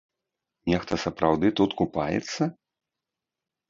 Нехта сапраўды тут купаецца?